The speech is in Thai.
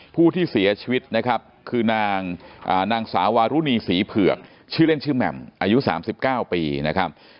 ผู้ที่เสียชีวิตนะครับคือนางสาวารุณีศรีเผือกชื่อเล่นชื่อแหม่มอายุ๓๙ปีนะครับ